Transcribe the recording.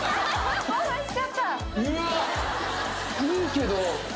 いいけど。